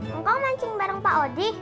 engkau mancing bareng pak odi